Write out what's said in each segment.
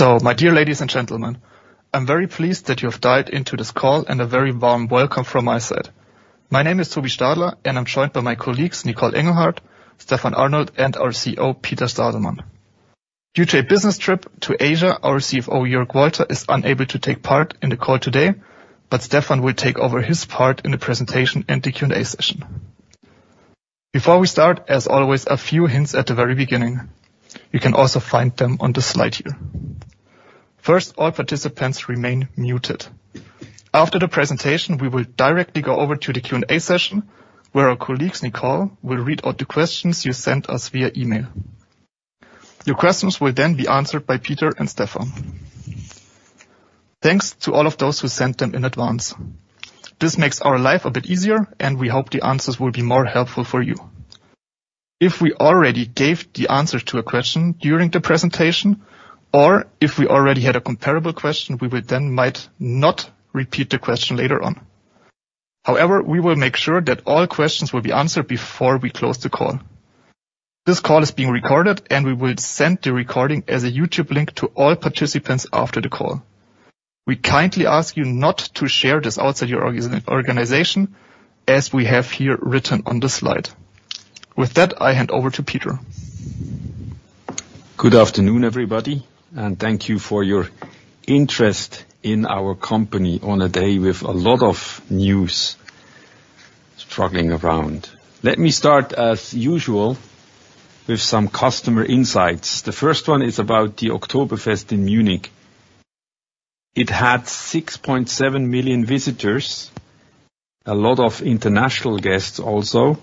My dear ladies and gentlemen, I'm very pleased that you have dialed into this call and a very warm welcome from my side. My name is Toby Stadler, and I'm joined by my colleagues Nicole Engelhardt, Stefan Arnold, and our CEO, Peter Stadelmann. Due to a business trip to Asia, our CFO, Jörg Walter, is unable to take part in the call today, but Stefan will take over his part in the presentation and the Q&A session. Before we start, as always, a few hints at the very beginning. You can also find them on the slide here. First, all participants remain muted. After the presentation, we will directly go over to the Q&A session, where our colleagues, Nicole, will read out the questions you sent us via email. Your questions will then be answered by Peter and Stefan. Thanks to all of those who sent them in advance. This makes our life a bit easier, and we hope the answers will be more helpful for you. If we already gave the answer to a question during the presentation, or if we already had a comparable question, we then might not repeat the question later on. However, we will make sure that all questions will be answered before we close the call. This call is being recorded, and we will send the recording as a YouTube link to all participants after the call. We kindly ask you not to share this outside your organization, as we have here written on the slide. With that, I hand over to Peter. Good afternoon, everybody, and thank you for your interest in our company on a day with a lot of news swirling around. Let me start, as usual, with some customer insights. The first one is about the Oktoberfest in Munich. It had 6.7 million visitors, a lot of international guests also.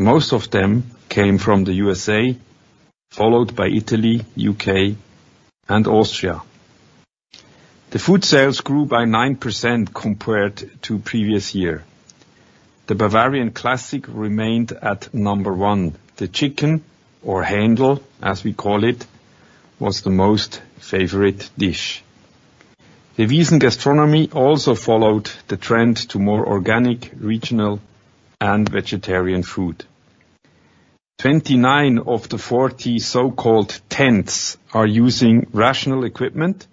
Most of them came from the USA, followed by Italy, the U.K., and Austria. The food sales grew by 9% compared to the previous year. The Bavarian classic remained at number one. The chicken, or Hendl, as we call it, was the most favorite dish. The Wiesn Gastronomie also followed the trend to more organic, regional, and vegetarian food. 29 of the 40 so-called tents are using Rational equipment.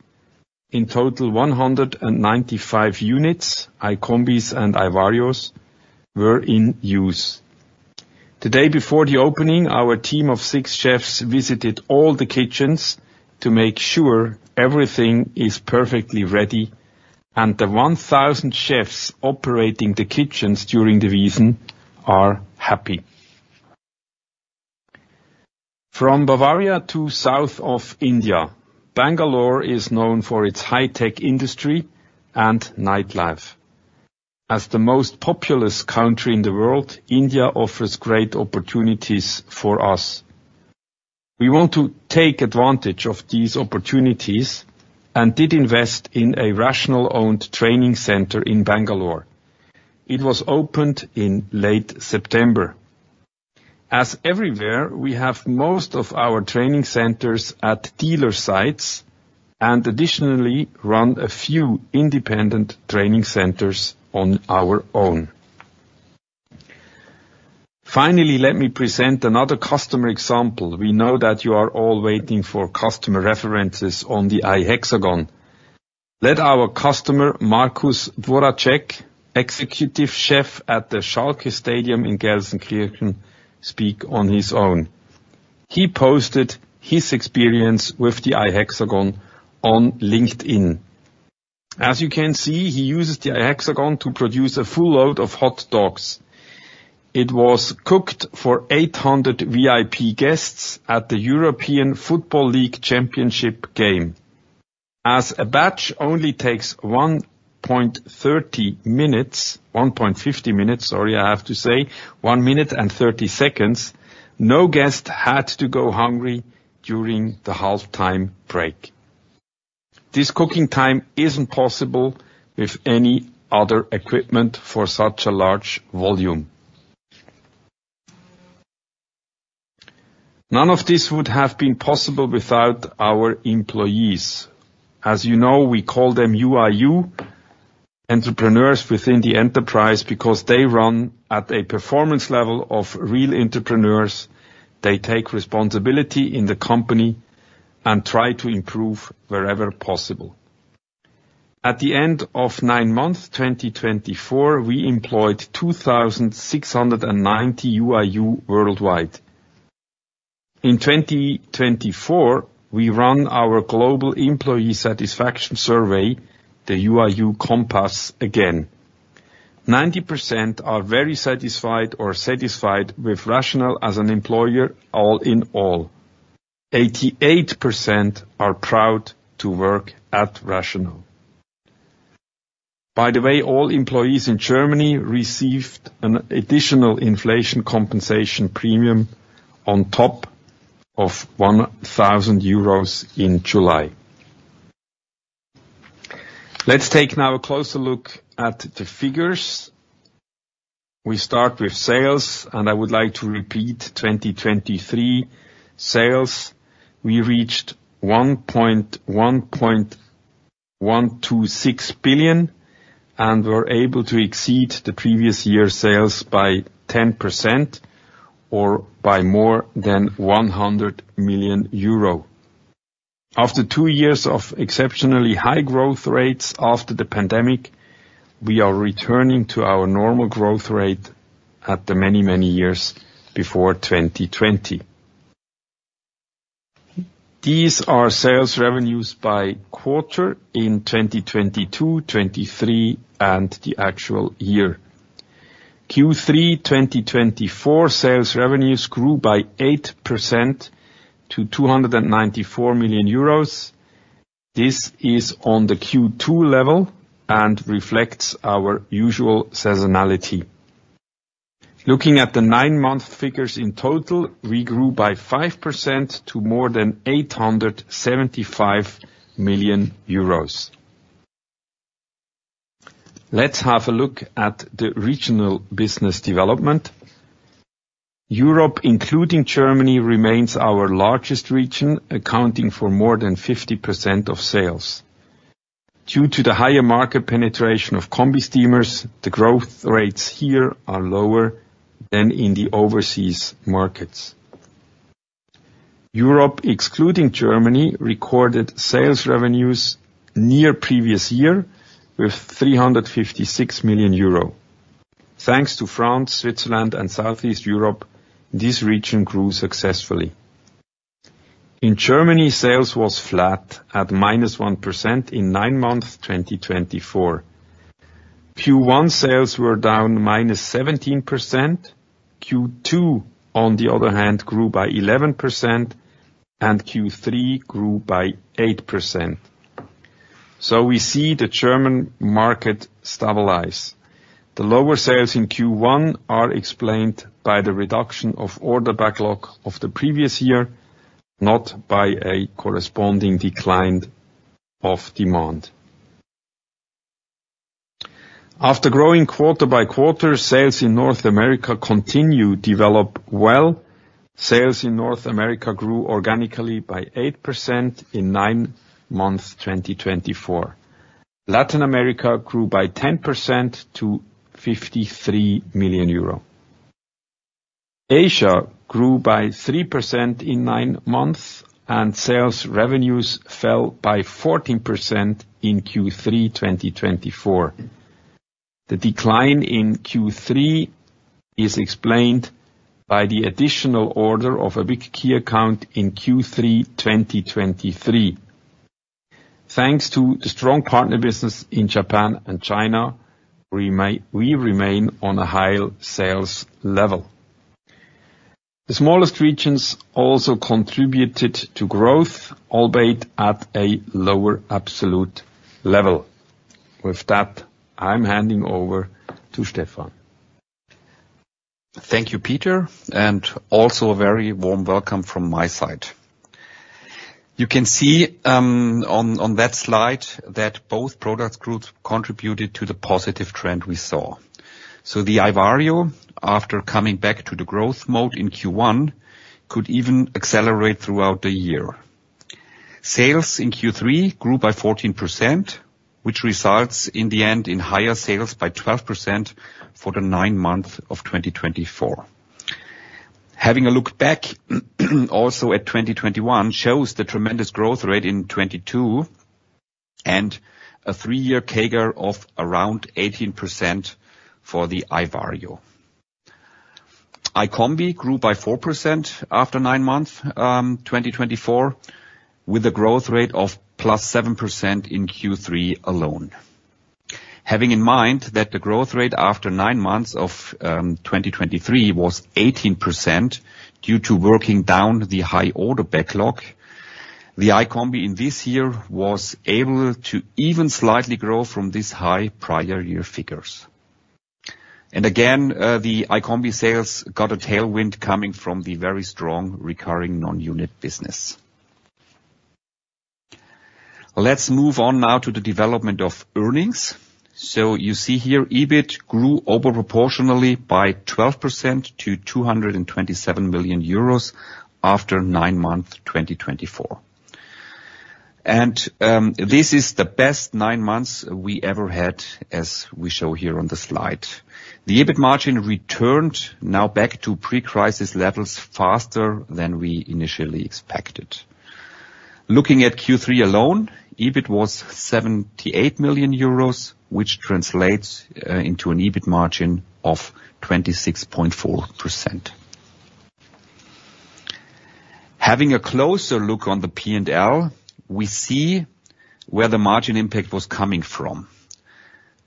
In total, 195 units, iCombis and iVarios, were in use. The day before the opening, our team of six chefs visited all the kitchens to make sure everything is perfectly ready, and the 1,000 chefs operating the kitchens during the Wiesn are happy. From Bavaria to south of India, Bangalore is known for its high-tech industry and nightlife. As the most populous country in the world, India offers great opportunities for us. We want to take advantage of these opportunities and did invest in a RATIONAL-owned training center in Bangalore. It was opened in late September. As everywhere, we have most of our training centers at dealer sites and additionally run a few independent training centers on our own. Finally, let me present another customer example. We know that you are all waiting for customer references on the iHexagon. Let our customer, Markus Dvořáček, Executive Chef at the Schalke Stadium in Gelsenkirchen, speak on his own. He posted his experience with the iHexagon on LinkedIn. As you can see, he uses the iHexagon to produce a full load of hot dogs. It was cooked for 800 VIP guests at the European Football League Championship game. As a batch only takes 1.50 minutes, sorry, I have to say, 1 minute and 30 seconds, no guest had to go hungry during the halftime break. This cooking time isn't possible with any other equipment for such a large volume. None of this would have been possible without our employees. As you know, we call them U.i.U., entrepreneurs within the enterprise, because they run at a performance level of real entrepreneurs. They take responsibility in the company and try to improve wherever possible. At the end of nine months, 2024, we employed 2,690 U.i.U. worldwide. In 2024, we run our global employee satisfaction survey, the U.i.U. Compass, again. 90% are very satisfied or satisfied with RATIONAL as an employer, all in all. 88% are proud to work at RATIONAL. By the way, all employees in Germany received an additional inflation compensation premium on top of 1,000 euros in July. Let's take now a closer look at the figures. We start with sales, and I would like to repeat 2023 sales. We reached 1.126 billion and were able to exceed the previous year's sales by 10% or by more than 100 million euro. After two years of exceptionally high growth rates after the pandemic, we are returning to our normal growth rate at the many, many years before 2020. These are sales revenues by quarter in 2022, 2023, and the actual year. Q3 2024 sales revenues grew by 8% to 294 million euros. This is on the Q2 level and reflects our usual seasonality. Looking at the nine-month figures in total, we grew by 5% to more than 875 million euros. Let's have a look at the regional business development. Europe, including Germany, remains our largest region, accounting for more than 50% of sales. Due to the higher market penetration of combi steamers, the growth rates here are lower than in the overseas markets. Europe, excluding Germany, recorded sales revenues near previous year with 356 million euro. Thanks to France, Switzerland, and Southeast Europe, this region grew successfully. In Germany, sales were flat at minus 1% in nine months 2024. Q1 sales were down minus 17%. Q2, on the other hand, grew by 11%, and Q3 grew by 8%. So we see the German market stabilize. The lower sales in Q1 are explained by the reduction of order backlog of the previous year, not by a corresponding decline of demand. After growing quarter by quarter, sales in North America continue to develop well. Sales in North America grew organically by 8% in nine months 2024. Latin America grew by 10% to 53 million euro. Asia grew by 3% in nine months, and sales revenues fell by 14% in Q3 2024. The decline in Q3 is explained by the additional order of a big key account in Q3 2023. Thanks to the strong partner business in Japan and China, we remain on a higher sales level. The smallest regions also contributed to growth, albeit at a lower absolute level. With that, I'm handing over to Stefan. Thank you, Peter, and also a very warm welcome from my side. You can see on that slide that both products contributed to the positive trend we saw. So the iVario, after coming back to the growth mode in Q1, could even accelerate throughout the year. Sales in Q3 grew by 14%, which results in the end in higher sales by 12% for the nine months of 2024. Having a look back also at 2021 shows the tremendous growth rate in 2022 and a three-year CAGR of around 18% for the iVario. iCombi grew by 4% after nine months 2024, with a growth rate of plus 7% in Q3 alone. Having in mind that the growth rate after nine months of 2023 was 18% due to working down the high order backlog, the iCombi in this year was able to even slightly grow from these high prior year figures. Again, the iCombi sales got a tailwind coming from the very strong recurring non-unit business. Let's move on now to the development of earnings. You see here, EBIT grew overproportionally by 12% to 227 million euros after nine months 2024. This is the best nine months we ever had, as we show here on the slide. The EBIT margin returned now back to pre-crisis levels faster than we initially expected. Looking at Q3 alone, EBIT was 78 million euros, which translates into an EBIT margin of 26.4%. Having a closer look on the P&L, we see where the margin impact was coming from.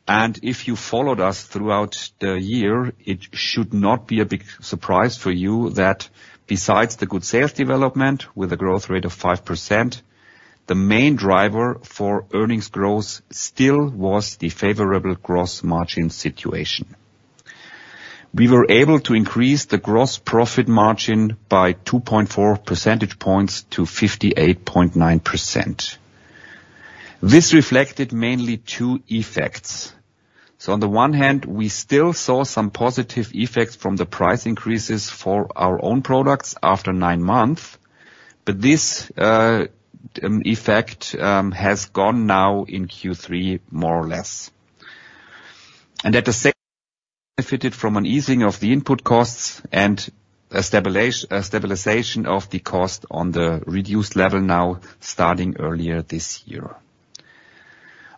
If you followed us throughout the year, it should not be a big surprise for you that besides the good sales development with a growth rate of 5%, the main driver for earnings growth still was the favorable gross margin situation. We were able to increase the gross profit margin by 2.4 percentage points to 58.9%. This reflected mainly two effects, so on the one hand, we still saw some positive effects from the price increases for our own products after nine months, but this effect has gone now in Q3 more or less, and at the second, we benefited from an easing of the input costs and a stabilization of the cost on the reduced level now starting earlier this year.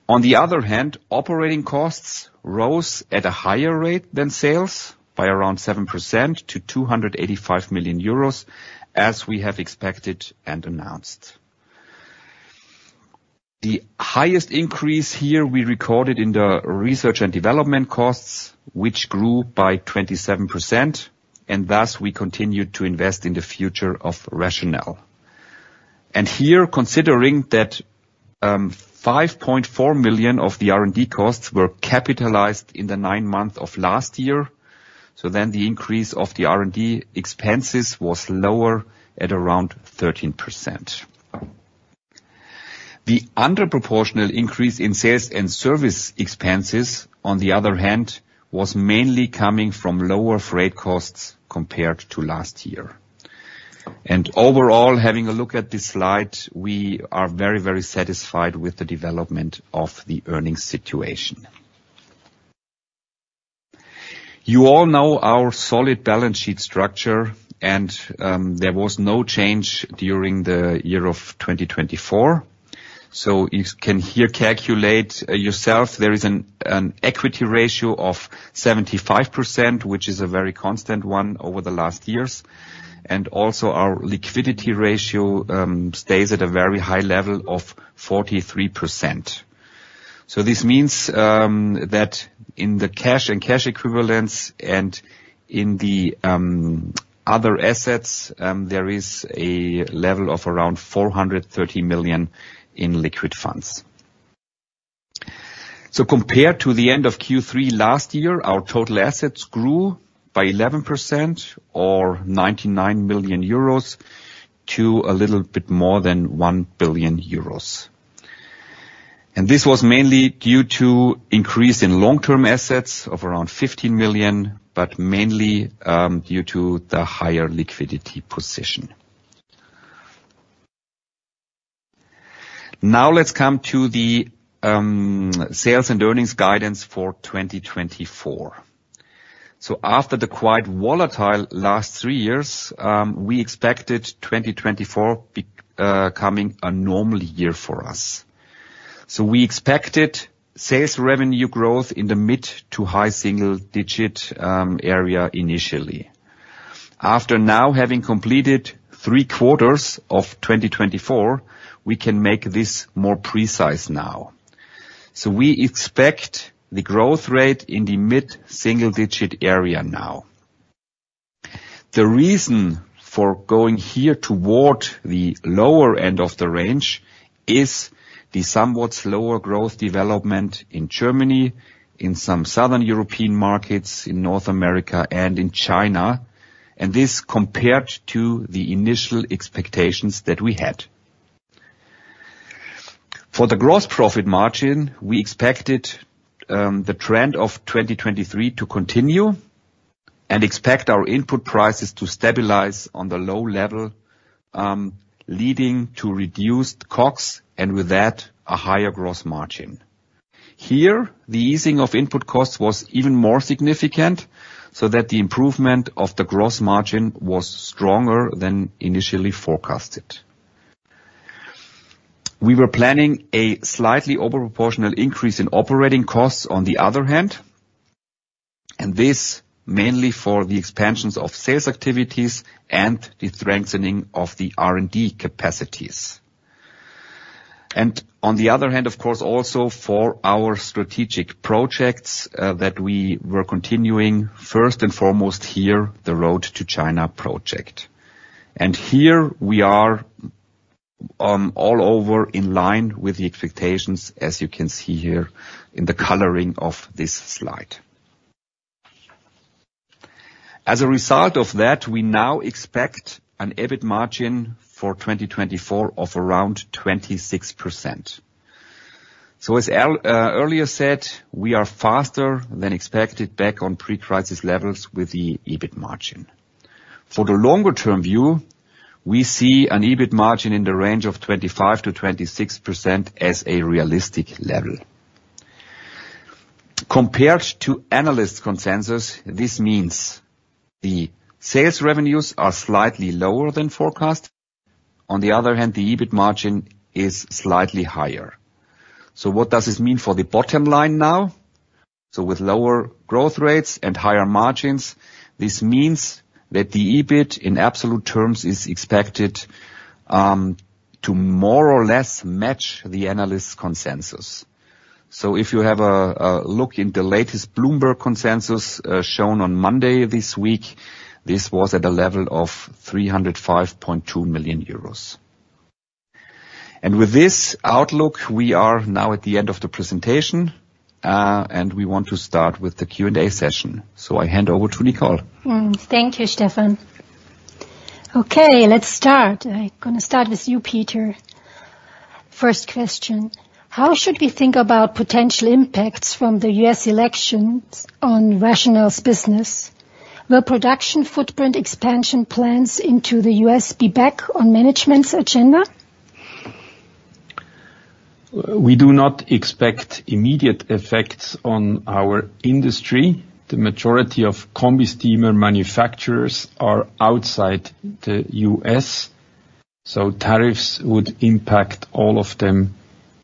On the other hand, operating costs rose at a higher rate than sales by around 7% to 285 million euros, as we have expected and announced. The highest increase here we recorded in the research and development costs, which grew by 27%, and thus we continued to invest in the future of RATIONAL. Here, considering that 5.4 million of the R&D costs were capitalized in the nine months of last year, so then the increase of the R&D expenses was lower at around 13%. The underproportional increase in sales and service expenses, on the other hand, was mainly coming from lower freight costs compared to last year. Overall, having a look at this slide, we are very, very satisfied with the development of the earnings situation. You all know our solid balance sheet structure, and there was no change during the year of 2024. You can here calculate yourself. There is an equity ratio of 75%, which is a very constant one over the last years. Also our liquidity ratio stays at a very high level of 43%. So this means that in the cash and cash equivalents and in the other assets, there is a level of around 430 million in liquid funds. So compared to the end of Q3 last year, our total assets grew by 11% or 99 million euros to a little bit more than 1 billion euros. And this was mainly due to an increase in long-term assets of around 15 million, but mainly due to the higher liquidity position. Now let's come to the sales and earnings guidance for 2024. So after the quite volatile last three years, we expected 2024 becoming a normal year for us. So we expected sales revenue growth in the mid-to-high single-digit area initially. After now having completed three quarters of 2024, we can make this more precise now. So we expect the growth rate in the mid-single-digit area now. The reason for going here toward the lower end of the range is the somewhat slower growth development in Germany, in some southern European markets, in North America, and in China, and this compared to the initial expectations that we had. For the gross profit margin, we expected the trend of 2023 to continue and expect our input prices to stabilize on the low level, leading to reduced COGS and with that a higher gross margin. Here, the easing of input costs was even more significant so that the improvement of the gross margin was stronger than initially forecasted. We were planning a slightly overproportional increase in operating costs on the other hand, and this mainly for the expansions of sales activities and the strengthening of the R&D capacities. And on the other hand, of course, also for our strategic projects that we were continuing, first and foremost here, the Road to China project. And here we are all over in line with the expectations, as you can see here in the coloring of this slide. As a result of that, we now expect an EBIT margin for 2024 of around 26%. So as earlier said, we are faster than expected back on pre-crisis levels with the EBIT margin. For the longer-term view, we see an EBIT margin in the range of 25%-26% as a realistic level. Compared to analysts' consensus, this means the sales revenues are slightly lower than forecast. On the other hand, the EBIT margin is slightly higher. So what does this mean for the bottom line now? So with lower growth rates and higher margins, this means that the EBIT in absolute terms is expected to more or less match the analysts' consensus. So if you have a look in the latest Bloomberg consensus shown on Monday this week, this was at a level of 305.2 million euros. And with this outlook, we are now at the end of the presentation, and we want to start with the Q&A session. So I hand over to Nicole. Thank you, Stefan. Okay, let's start. I'm going to start with you, Peter. First question. How should we think about potential impacts from the U.S. elections on RATIONAL's business? Will production footprint expansion plans into the U.S. be back on management's agenda? We do not expect immediate effects on our industry. The majority of combi steamer manufacturers are outside the U.S., so tariffs would impact all of them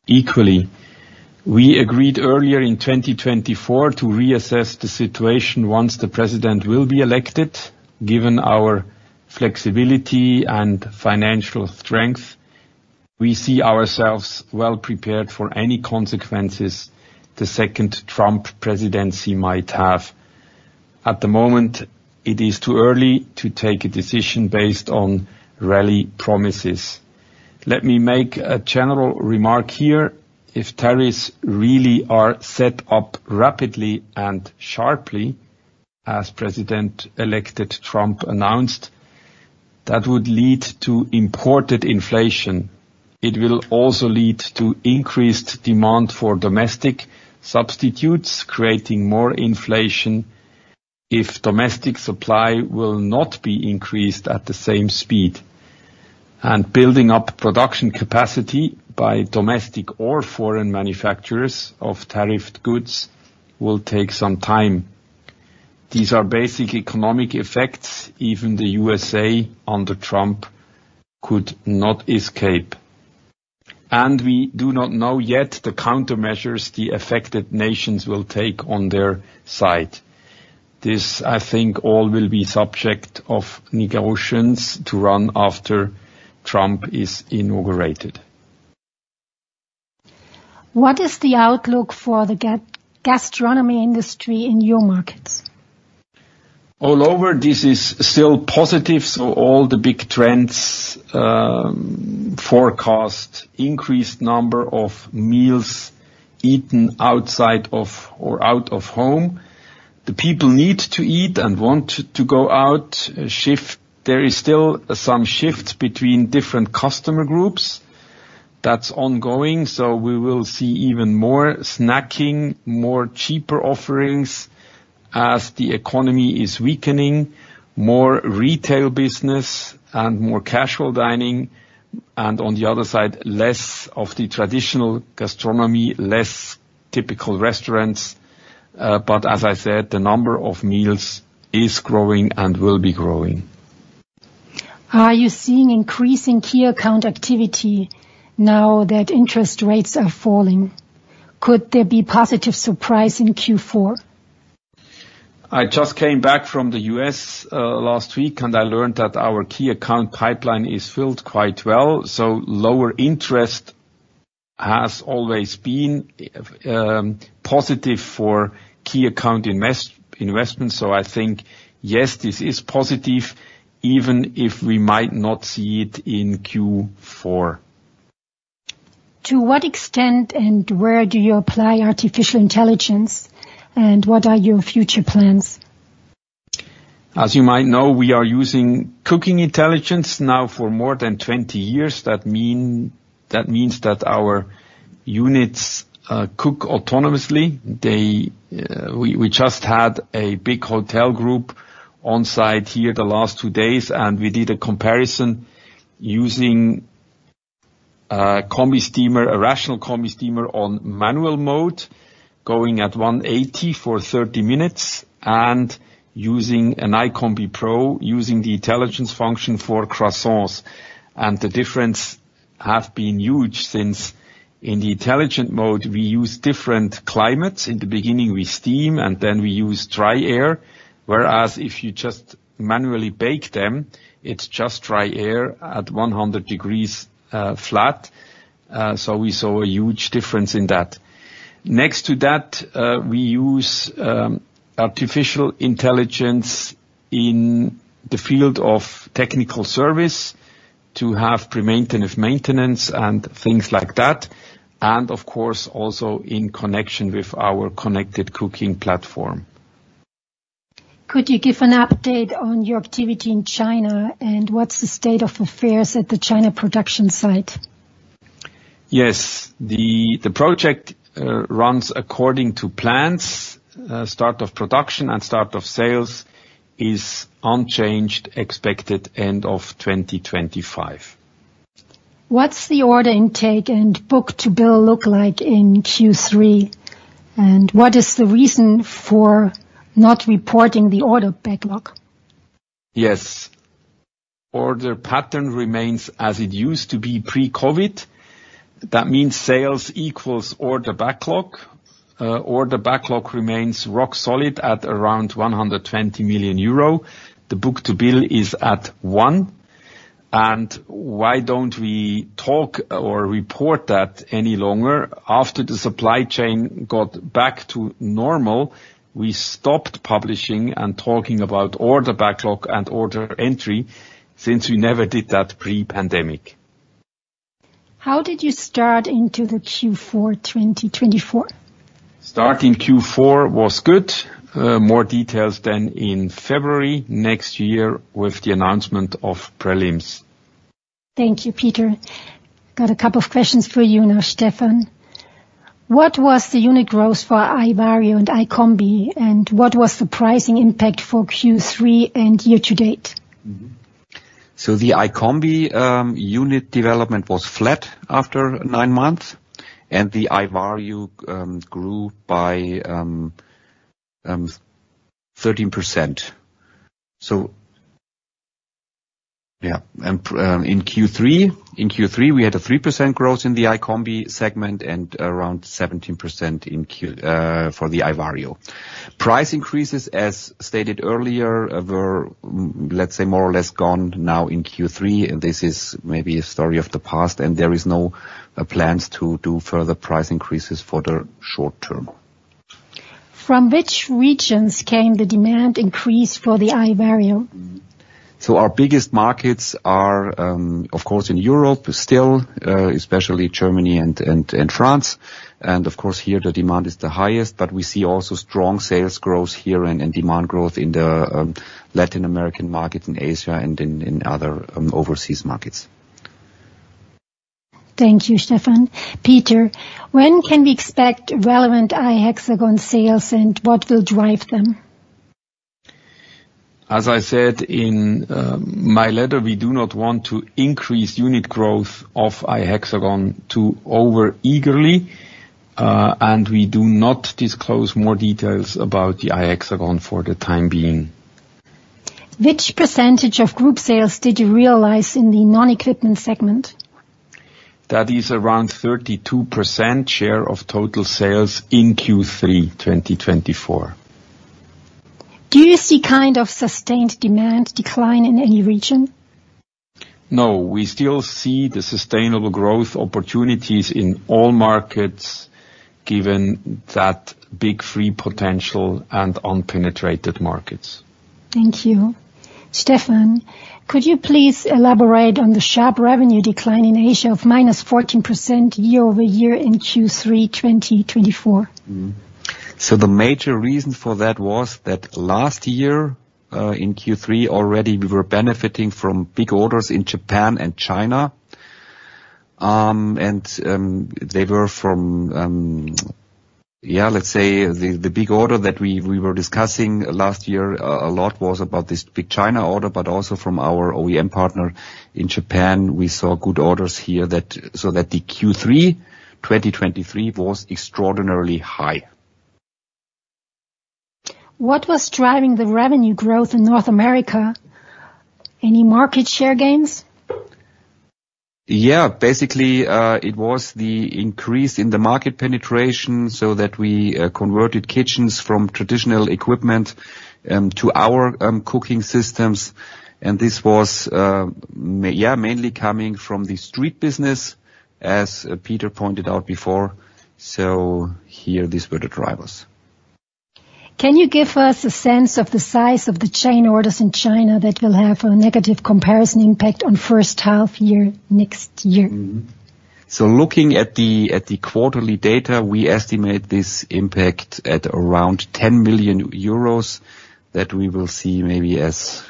equally. We agreed earlier in 2024 to reassess the situation once the president will be elected. Given our flexibility and financial strength, we see ourselves well prepared for any consequences the second Trump presidency might have. At the moment, it is too early to take a decision based on rally promises. Let me make a general remark here. If tariffs really are set up rapidly and sharply, as President-elect Trump announced, that would lead to imported inflation. It will also lead to increased demand for domestic substitutes, creating more inflation if domestic supply will not be increased at the same speed, and building up production capacity by domestic or foreign manufacturers of tariffed goods will take some time. These are basic economic effects even the USA under Trump could not escape. And we do not know yet the countermeasures the affected nations will take on their side. This, I think, all will be subject of negotiations to run after Trump is inaugurated. What is the outlook for the gastronomy industry in your markets? All over, this is still positive, so all the big trends forecast increased number of meals eaten outside of or out of home. The people need to eat and want to go out. There is still some shift between different customer groups. That's ongoing, so we will see even more snacking, more cheaper offerings as the economy is weakening, more retail business and more casual dining, and on the other side, less of the traditional gastronomy, less typical restaurants, but as I said, the number of meals is growing and will be growing. Are you seeing increasing key account activity now that interest rates are falling? Could there be positive surprise in Q4? I just came back from the U.S. last week, and I learned that our key account pipeline is filled quite well. So lower interest has always been positive for key account investments. So I think, yes, this is positive, even if we might not see it in Q4. To what extent and where do you apply artificial intelligence, and what are your future plans? As you might know, we are using cooking intelligence now for more than 20 years. That means that our units cook autonomously. We just had a big hotel group on site here the last two days, and we did a comparison using a RATIONAL combi steamer on manual mode, going at 180 degrees for 30 minutes, and using an iCombi Pro, using the intelligence function for croissants, and the difference has been huge since in the intelligent mode, we use different climates. In the beginning, we steam, and then we use dry air, whereas if you just manually bake them, it's just dry air at 100 degrees flat, so we saw a huge difference in that. Next to that, we use artificial intelligence in the field of technical service to have predictive maintenance and things like that, and of course, also in connection with our ConnectedCooking platform. Could you give an update on your activity in China and what's the state of affairs at the China production site? Yes. The project runs according to plans. Start of production and start of sales is unchanged, expected end of 2025. What's the order intake and book-to-bill look like in Q3? And what is the reason for not reporting the order backlog? Yes. Order pattern remains as it used to be pre-COVID. That means sales equals order backlog. Order backlog remains rock solid at around 120 million euro. The book-to-bill is at one. And why don't we talk or report that any longer? After the supply chain got back to normal, we stopped publishing and talking about order backlog and order entry since we never did that pre-pandemic. How did you start into the Q4 2024? Starting Q4 was good. More details than in February next year with the announcement of prelims. Thank you, Peter. Got a couple of questions for you now, Stefan. What was the unit growth for iVario and iCombi, and what was the pricing impact for Q3 and year to date? So the iCombi unit development was flat after nine months, and the iVario grew by 13%. So yeah, in Q3, we had a 3% growth in the iCombi segment and around 17% for the iVario. Price increases, as stated earlier, were, let's say, more or less gone now in Q3. This is maybe a story of the past, and there are no plans to do further price increases for the short term. From which regions came the demand increase for the iVario? So our biggest markets are, of course, in Europe still, especially Germany and France. And of course, here the demand is the highest, but we see also strong sales growth here and demand growth in the Latin American market, in Asia, and in other overseas markets. Thank you, Stefan. Peter, when can we expect relevant iHexagon sales, and what will drive them? As I said in my letter, we do not want to increase unit growth of iHexagon too over-eagerly, and we do not disclose more details about the iHexagon for the time being. Which percentage of group sales did you realize in the non-equipment segment? That is around 32% share of total sales in Q3 2024. Do you see kind of sustained demand decline in any region? No. We still see the sustainable growth opportunities in all markets given that big free potential and unpenetrated markets. Thank you. Stefan, could you please elaborate on the sharp revenue decline in Asia of minus 14% year over year in Q3 2024? So the major reason for that was that last year in Q3, already we were benefiting from big orders in Japan and China. And they were from, yeah, let's say the big order that we were discussing last year a lot was about this big China order, but also from our OEM partner in Japan. We saw good orders here so that the Q3 2023 was extraordinarily high. What was driving the revenue growth in North America? Any market share gains? Yeah. Basically, it was the increase in the market penetration so that we converted kitchens from traditional equipment to our cooking systems. And this was, yeah, mainly coming from the street business, as Peter pointed out before. So here, these were the drivers. Can you give us a sense of the size of the chain orders in China that will have a negative comparison impact on first half year next year? Looking at the quarterly data, we estimate this impact at around 10 million euros that we will see maybe as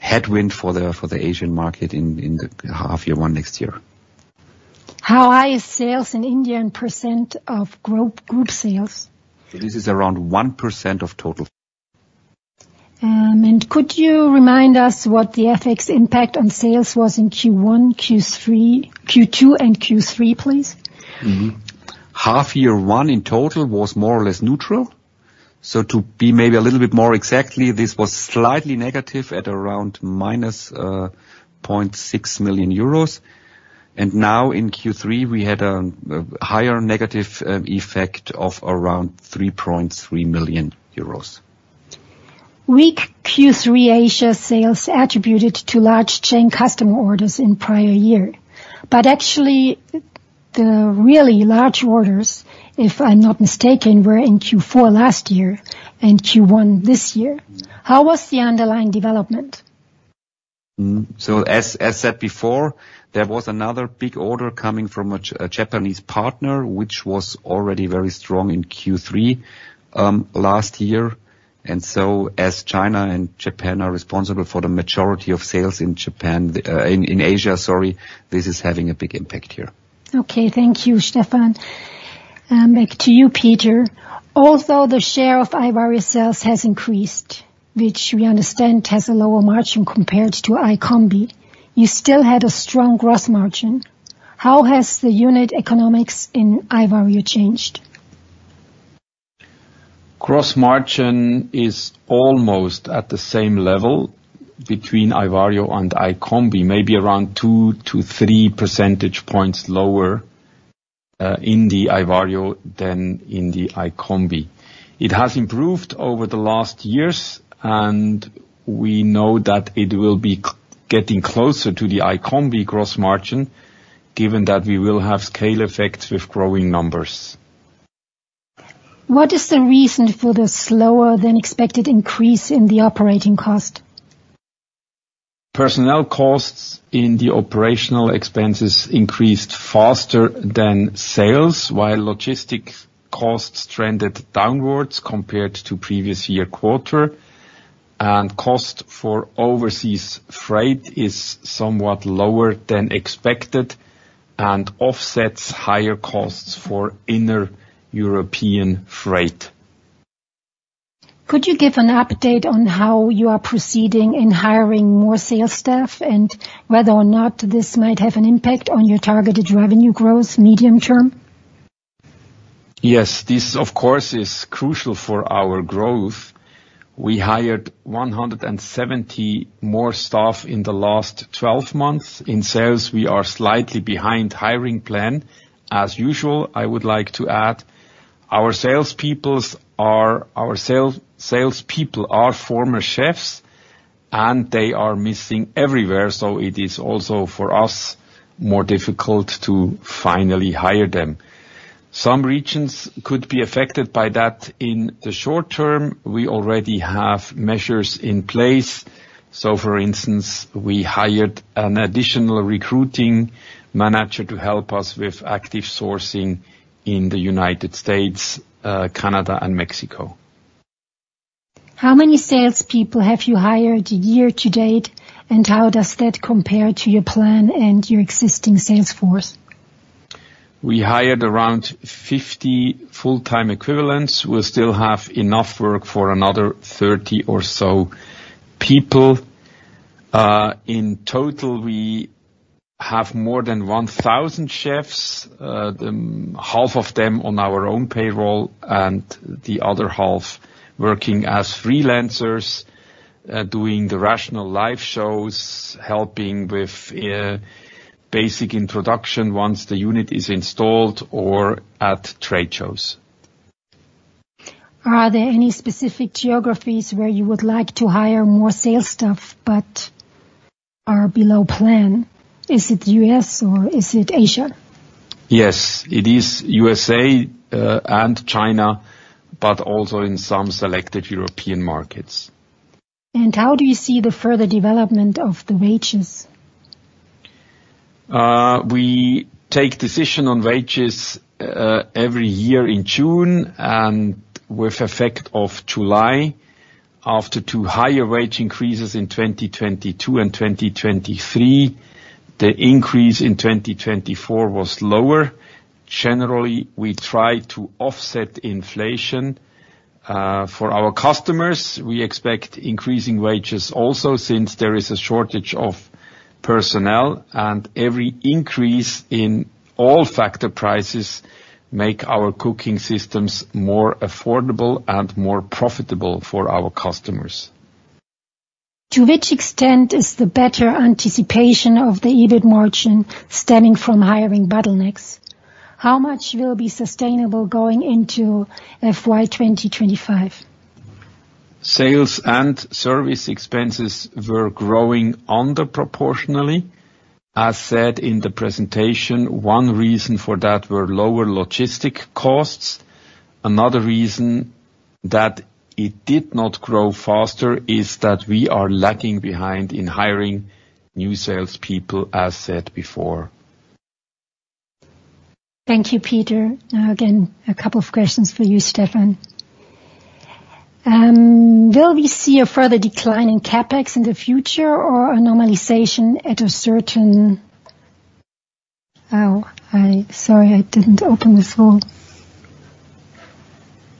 headwind for the Asian market in the half year one next year. How high is sales in India in percent of group sales? This is around 1% of total. Could you remind us what the FX impact on sales was in Q1, Q2, and Q3, please? Half year one in total was more or less neutral. So to be maybe a little bit more exactly, this was slightly negative at around minus 0.6 million euros. And now in Q3, we had a higher negative effect of around 3.3 million euros. Weak Q3 Asia sales attributed to large chain customer orders in prior year. But actually, the really large orders, if I'm not mistaken, were in Q4 last year and Q1 this year. How was the underlying development? So as said before, there was another big order coming from a Japanese partner, which was already very strong in Q3 last year. And so as China and Japan are responsible for the majority of sales in Asia, sorry, this is having a big impact here. Okay. Thank you, Stefan. Back to you, Peter. Although the share of iVario sales has increased, which we understand has a lower margin compared to iCombi, you still had a strong gross margin. How has the unit economics in iVario changed? Gross margin is almost at the same level between iVario and iCombi, maybe around two to three percentage points lower in the iVario than in the iCombi. It has improved over the last years, and we know that it will be getting closer to the iCombi gross margin, given that we will have scale effects with growing numbers. What is the reason for the slower than expected increase in the operating cost? Personnel costs in the operational expenses increased faster than sales, while logistics costs trended downwards compared to previous year quarter, and cost for overseas freight is somewhat lower than expected and offsets higher costs for inner European freight. Could you give an update on how you are proceeding in hiring more sales staff and whether or not this might have an impact on your targeted revenue growth medium term? Yes. This, of course, is crucial for our growth. We hired 170 more staff in the last 12 months. In sales, we are slightly behind hiring plan, as usual. I would like to add our salespeople are former chefs, and they are missing everywhere. So it is also for us more difficult to finally hire them. Some regions could be affected by that in the short term. We already have measures in place. So for instance, we hired an additional recruiting manager to help us with active sourcing in the United States, Canada, and Mexico. How many salespeople have you hired year to date, and how does that compare to your plan and your existing sales force? We hired around 50 full-time equivalents. We still have enough work for another 30 or so people. In total, we have more than 1,000 chefs, half of them on our own payroll, and the other half working as freelancers doing the RATIONAL live shows, helping with basic introduction once the unit is installed or at trade shows. Are there any specific geographies where you would like to hire more sales staff but are below plan? Is it the U.S., or is it Asia? Yes. It is USA and China, but also in some selected European markets. How do you see the further development of the wages? We take decision on wages every year in June, and with effect of July, after two higher wage increases in 2022 and 2023, the increase in 2024 was lower. Generally, we try to offset inflation. For our customers, we expect increasing wages also since there is a shortage of personnel, and every increase in all factor prices makes our cooking systems more affordable and more profitable for our customers. To which extent is the better anticipation of the EBIT margin stemming from hiring bottlenecks? How much will be sustainable going into FY 2025? Sales and service expenses were growing disproportionately. As said in the presentation, one reason for that were lower logistics costs. Another reason that it did not grow faster is that we are lagging behind in hiring new salespeople, as said before. Thank you, Peter. Now, again, a couple of questions for you, Stefan. Will we see a further decline in CapEx in the future or a normalization at a certain. Oh, sorry, I didn't open this whole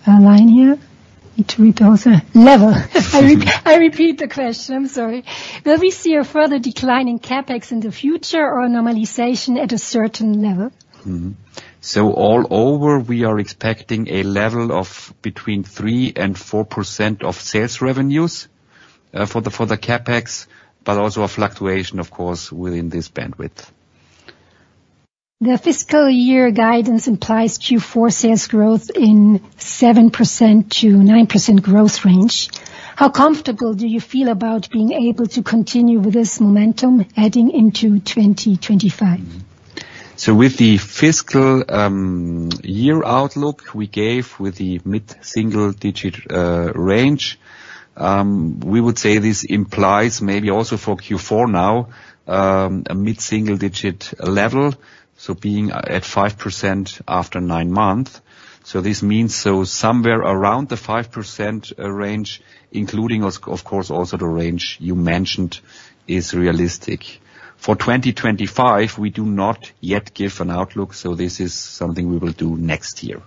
line here. It repeats the level. I repeat the question. I'm sorry. Will we see a further decline in CapEx in the future or a normalization at a certain level? So all over, we are expecting a level of between 3% and 4% of sales revenues for the CapEx, but also a fluctuation, of course, within this bandwidth. The fiscal year guidance implies Q4 sales growth in 7%-9% growth range. How comfortable do you feel about being able to continue with this momentum heading into 2025? So with the fiscal year outlook we gave with the mid-single digit range, we would say this implies maybe also for Q4 now a mid-single digit level, so being at 5% after nine months. So this means somewhere around the 5% range, including, of course, also the range you mentioned, is realistic. For 2025, we do not yet give an outlook, so this is something we will do next year.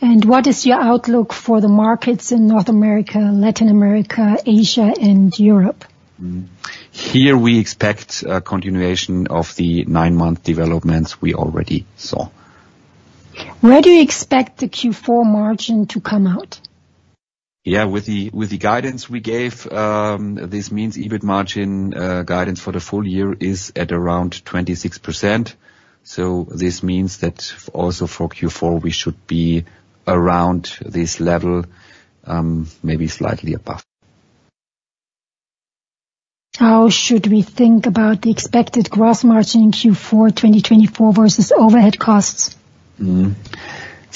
What is your outlook for the markets in North America, Latin America, Asia, and Europe? Here we expect a continuation of the nine-month developments we already saw. Where do you expect the Q4 margin to come out? Yeah. With the guidance we gave, this means EBIT margin guidance for the full year is at around 26%. So this means that also for Q4, we should be around this level, maybe slightly above. How should we think about the expected gross margin in Q4 2024 versus overhead costs?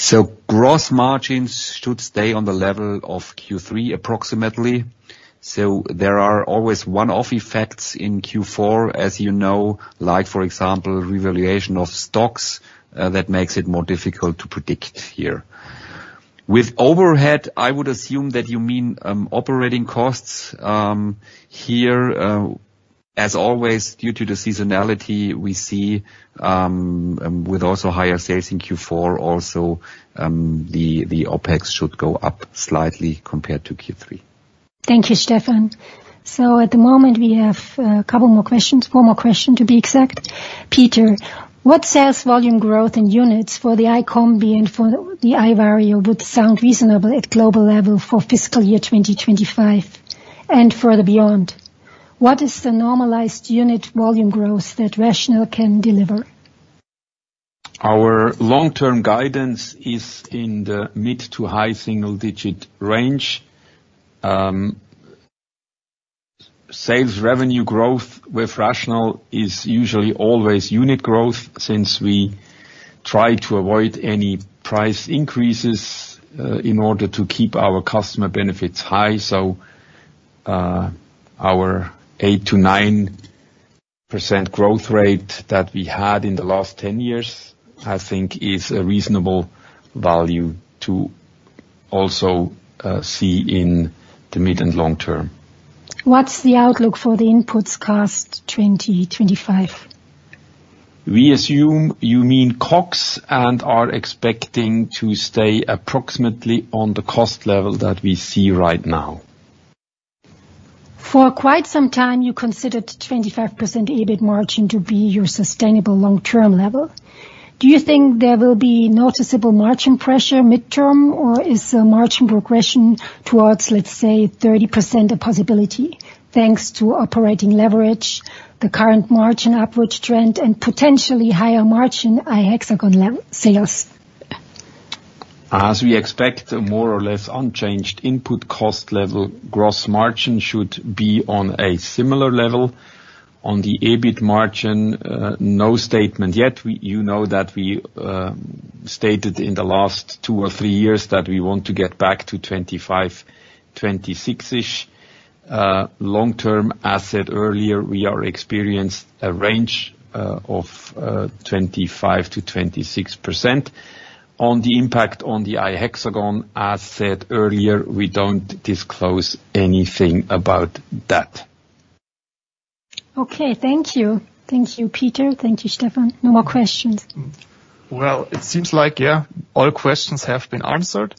So gross margins should stay on the level of Q3 approximately. So there are always one-off effects in Q4, as you know, like, for example, revaluation of stocks that makes it more difficult to predict here. With overhead, I would assume that you mean operating costs here. As always, due to the seasonality, we see with also higher sales in Q4, also the OpEx should go up slightly compared to Q3. Thank you, Stefan. So at the moment, we have a couple more questions, four more questions to be exact. Peter, what sales volume growth in units for the iCombi and for the iVario would sound reasonable at global level for fiscal year 2025 and further beyond? What is the normalized unit volume growth that RATIONAL can deliver? Our long-term guidance is in the mid to high single digit range. Sales revenue growth with RATIONAL is usually always unit growth since we try to avoid any price increases in order to keep our customer benefits high. So our 8%-9% growth rate that we had in the last 10 years, I think, is a reasonable value to also see in the mid and long term. What's the outlook for the input costs 2025? We assume you mean COGS and are expecting to stay approximately on the cost level that we see right now. For quite some time, you considered 25% EBIT margin to be your sustainable long-term level. Do you think there will be noticeable margin pressure midterm, or is a margin progression towards, let's say, 30% a possibility thanks to operating leverage, the current margin upward trend, and potentially higher margin iHexagon sales? As we expect, a more or less unchanged input cost level, gross margin should be on a similar level. On the EBIT margin, no statement yet. You know that we stated in the last two or three years that we want to get back to 25, 26-ish. Long-term, as said earlier, we are experiencing a range of 25%-26%. On the impact on the iHexagon, as said earlier, we don't disclose anything about that. Okay. Thank you. Thank you, Peter. Thank you, Stefan. No more questions. It seems like, yeah, all questions have been answered.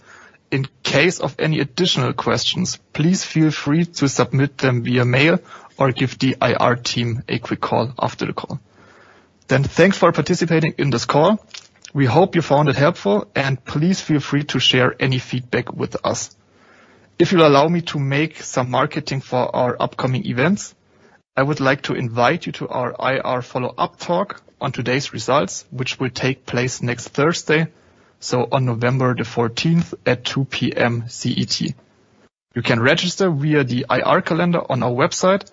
In case of any additional questions, please feel free to submit them via mail or give the IR team a quick call after the call. Then thanks for participating in this call. We hope you found it helpful, and please feel free to share any feedback with us. If you'll allow me to make some marketing for our upcoming events, I would like to invite you to our IR follow-up talk on today's results, which will take place next Thursday, so on November the 14th at 2:00 P.M. CET. You can register via the IR calendar on our website,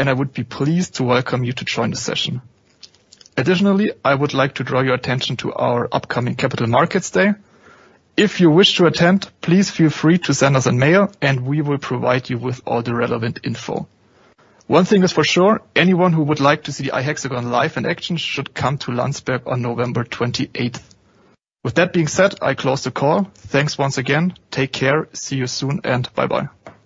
and I would be pleased to welcome you to join the session. Additionally, I would like to draw your attention to our upcoming Capital Markets Day. If you wish to attend, please feel free to send us a mail, and we will provide you with all the relevant info. One thing is for sure: anyone who would like to see the iHexagon live in action should come to Landsberg on November 28th. With that being said, I close the call. Thanks once again. Take care. See you soon, and bye-bye.